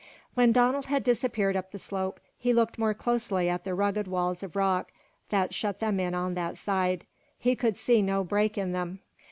When Donald had disappeared up the slope he looked more closely at the rugged walls of rock that shut them in on that side. He could see no break in them.